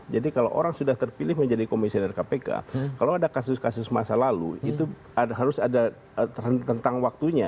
jadi kalau orang sudah terpilih menjadi komisioner kpk kalau ada kasus kasus masa lalu itu harus ada tentang waktunya